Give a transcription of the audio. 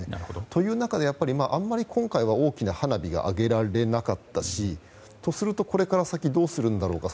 という中で、あまり今回は大きな花火を上げられなかったしとするとこれから先どうするんだろうか。